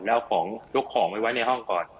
แล้วก็ยกของไปไว้ในห้องก่อน